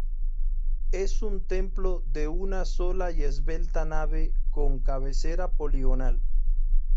Es un templo de una sola y esbelta nave con cabecera poligonal.